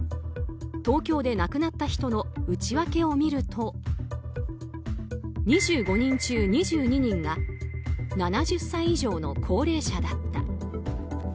東京で亡くなった人の内訳を見ると２５人中２２人が７０歳以上の高齢者だった。